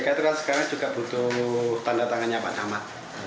itu kan sekarang juga butuh tanda tangannya pak camat